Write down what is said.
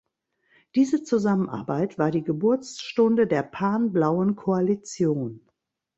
Diese Zusammenarbeit war die Geburtsstunde der pan-blauen Koalition.